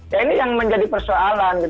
ya ini yang menjadi persoalan